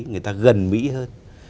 người ta gần mỹ hơn